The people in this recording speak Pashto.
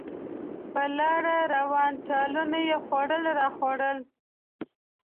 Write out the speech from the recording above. په لاره روان، ټالونه یې خوړل راخوړل.